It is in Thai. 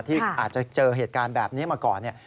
ที่อาจจะเจอเหตุการณ์แบบนี้มาก่อนเนี่ย